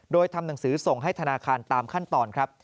โดยทำหนังสือส่งให้ธนาคารตามขั้นตอนครับ